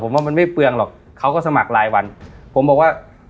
ผมว่ามันไม่เปลืองหรอกเขาก็สมัครรายวันผมบอกว่า